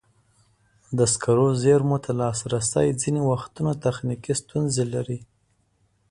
د سکرو زېرمو ته لاسرسی ځینې وختونه تخنیکي ستونزې لري.